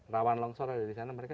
rawan longsor ada di sana mereka